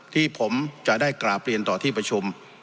ที่ผมจะได้กราบเรียนต่อที่ประชุม